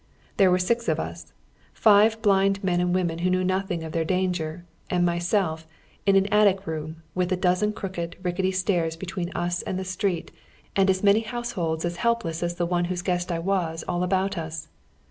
There were six of us, five blind men and women who knew nothing of their danger, and myself, in an attic room with a dozen crooked, rickety stairs between us and oy Google THE DOWN TOWN BACK ALLEYS. 33 the street, and as many households as helpless as the one whose gueet I was all about us.